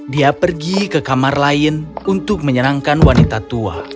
dia pergi ke kamar lain untuk menyenangkan wanita tua